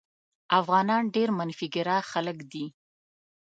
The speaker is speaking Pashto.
افغانان ډېر منفي ګرا خلک دي.